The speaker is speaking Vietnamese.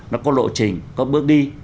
nó có lộ trình có bước đi